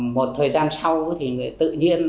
một thời gian sau thì tự nhiên